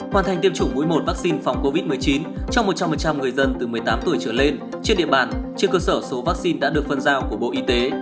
hoàn thành tiêm chủng mũi một vaccine phòng covid một mươi chín cho một trăm linh người dân từ một mươi tám tuổi trở lên trên địa bàn trên cơ sở số vaccine đã được phân giao của bộ y tế